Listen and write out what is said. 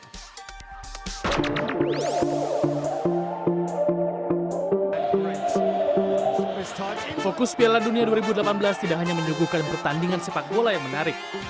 fokus piala dunia dua ribu delapan belas tidak hanya menyuguhkan pertandingan sepak bola yang menarik